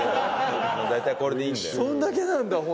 大体これでいいんだよ。